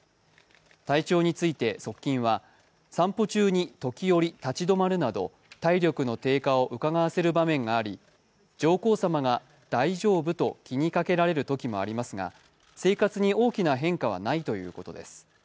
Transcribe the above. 体調について側近は、散歩中に時折立ち止まるなど体力の低下をうかがわせる場面があり上皇さまが大丈夫と気にかけられるときもありますが生活に大きな変化はないということです。